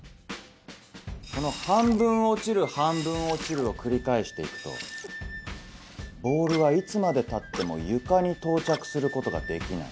この半分落ちる半分落ちるを繰り返して行くとボールはいつまでたっても床に到着することができない。